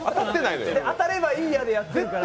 当たればいいやでやってるから。